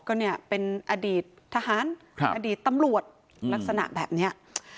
ก็เนี่ยเป็นอดีตทหารอดีตตำรวจลักษณะแบบนี้